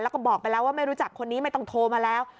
แล้วก็บอกไปแล้วว่าไม่รู้จักคนนี้ไม่ต้องโทรมาแล้ว